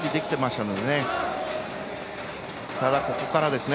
ただ、ここからですね。